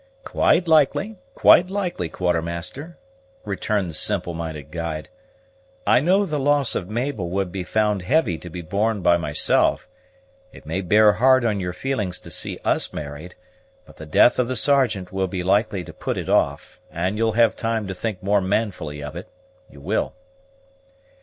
"Quite likely, quite likely, Quartermaster," returned the simple minded guide; "I know the loss of Mabel would be found heavy to be borne by myself. It may bear hard on your feelings to see us married; but the death of the Sergeant will be likely to put it off, and you'll have time to think more manfully of it, you will."